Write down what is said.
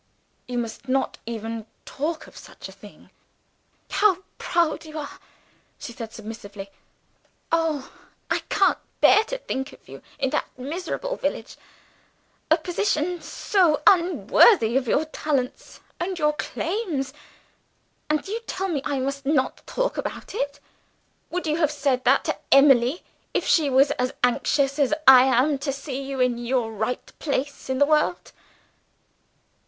"You must not even talk of such a thing!" "How proud you are!" she said submissively. "Oh, I can't bear to think of you in that miserable village a position so unworthy of your talents and your claims! And you tell me I must not talk about it. Would you have said that to Emily, if she was as anxious as I am to see you in your right place in the world?"